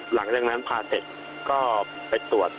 หลังจากนั้นพาเสร็จก็ไปตรวจ